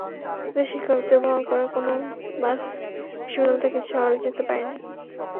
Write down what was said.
এতে শিক্ষকদের বহন করা কোনো বাস বিশ্ববিদ্যালয় থেকে শহরে যেতে পারেনি।